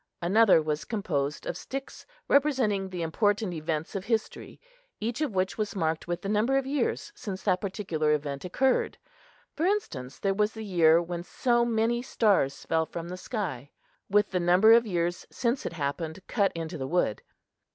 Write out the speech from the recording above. Another was composed of sticks representing the important events of history, each of which was marked with the number of years since that particular event occurred. For instance, there was the year when so many stars fell from the sky, with the number of years since it happened cut into the wood.